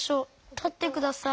たってください。